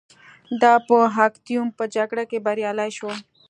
دا په اکتیوم په جګړه کې بریالی شو